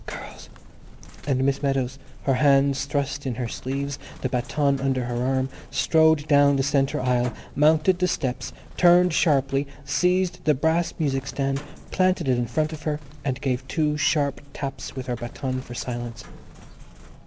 girls!" and Miss Meadows, her hands thrust in her sleeves, the baton under her arm, strode down the centre aisle, mounted the steps, turned sharply, seized the brass music stand, planted it in front of her, and gave two sharp taps with her baton for silence.